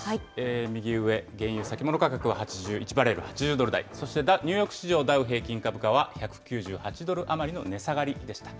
右上、原油先物価格は１バレル８０ドル台、そしてニューヨーク市場ダウ平均株価は１９８ドル余りの値下がりでした。